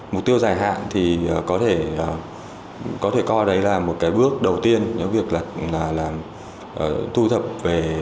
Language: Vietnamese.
mục tiêu dài hạn thì có thể coi đấy là một cái bước đầu tiên trong việc là thu thập về